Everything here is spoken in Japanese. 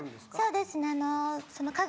そうですね。